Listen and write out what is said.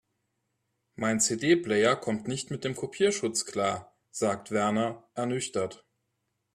Mein CD-Player kommt nicht mit dem Kopierschutz klar, sagt Werner ernüchtert.